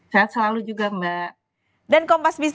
sehat selalu juga mbak